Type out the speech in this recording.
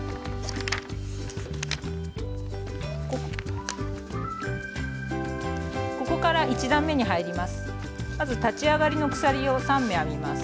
ここから１段めに入ります。